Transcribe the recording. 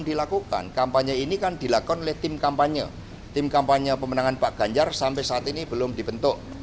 dilakukan oleh tim kampanye tim kampanye pemenangan pak ganjar sampai saat ini belum dibentuk